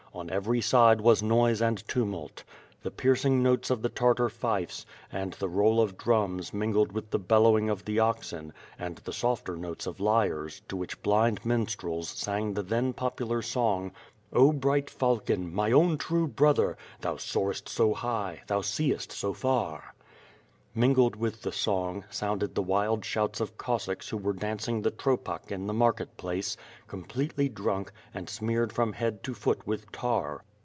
On every side was noise and tumult. The piercing notes of the Tartar fifes, and the roll of drums mingled with the bellowing of the oxen, and the softer notes of lyres, to which blind minstrels sang the then popular song. " Oh bright falcon. My own true brother, Thou soarest so high, Thou seest so far,'*^ Mingled with the song, sounded the wild shouts of Cos sacks who were dancing the tropak in the market place, com pletely drunk, and smeared from head to foot with tar.